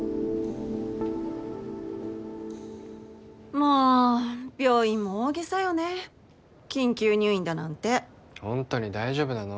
もう病院も大げさよね緊急入院だなんてホントに大丈夫なの？